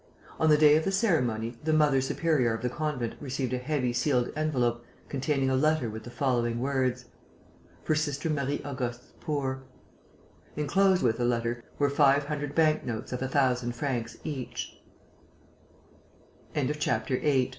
On the day of the ceremony, the mother superior of the convent received a heavy sealed envelope containing a letter with the following words: "For Sister Marie Auguste's poor." Enclosed with the letter were five hundred bank notes of a thousand francs each.